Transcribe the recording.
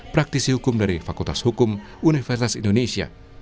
praktisi hukum dari fakultas hukum universitas indonesia